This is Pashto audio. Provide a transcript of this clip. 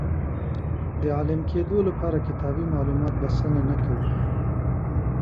د عالم کېدو لپاره کتابي معلومات بسنه نه کوي.